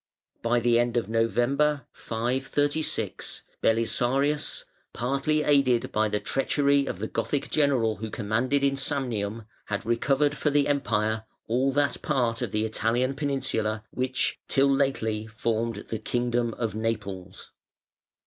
By the end of November, 536, Belisarius, partly aided by the treachery of the Gothic general who commanded in Samnium, had recovered for the Empire all that part of the Italian peninsula which, till lately, formed the Kingdom of Naples.